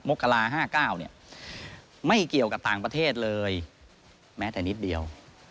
กรา๕๙ไม่เกี่ยวกับต่างประเทศเลยแม้แต่นิดเดียว